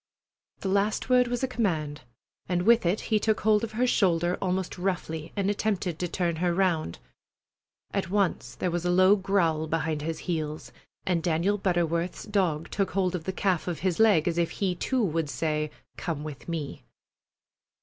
The last word was a command, and with it he took hold of her shoulder almost roughly and attempted to turn her round. At once there was a low growl behind his heels, and Daniel Butterworth's dog took hold of the calf of his leg as if he too would say, "Come with me!"